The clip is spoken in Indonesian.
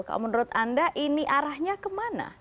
kalau menurut anda ini arahnya kemana